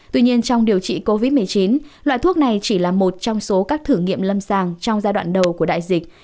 tuy nhiên trong điều trị covid một mươi chín loại thuốc này chỉ là một trong số các thử nghiệm lâm sàng trong giai đoạn đầu của đại dịch